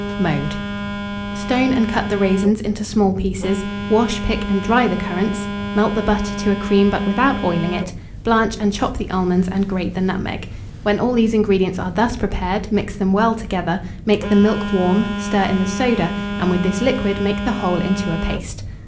Mode. Stone and cut the raisins into small pieces; wash, pick, and dry the currants; melt the butter to a cream, but without oiling it; blanch and chop the almonds, and grate the nutmeg. When all these ingredients are thus prepared, mix them well together; make the milk warm, stir in the soda, and with this liquid make the whole into a paste.